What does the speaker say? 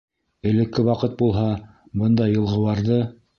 Элекке ваҡыт булһа, бындай елғыуарҙы!..